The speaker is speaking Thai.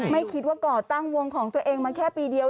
ไม่คิดว่าก่อตั้งวงของตัวเองมาแค่ปีเดียว